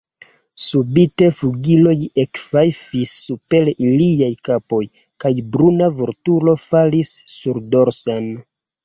Subite flugiloj ekfajfis super iliaj kapoj, kaj bruna vulturo falis surdorsen.